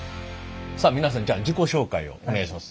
さあ皆さんじゃあ自己紹介をお願いします。